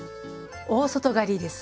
「大外刈」です。